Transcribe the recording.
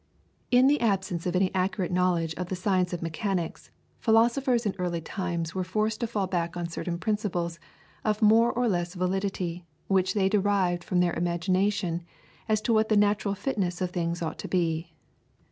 In the absence of any accurate knowledge of the science of mechanics, philosophers in early times were forced to fall back on certain principles of more or less validity, which they derived from their imagination as to what the natural fitness of things ought to be.